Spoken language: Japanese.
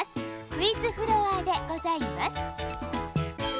クイズフロアでございます。